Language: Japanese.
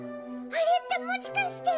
あれってもしかして。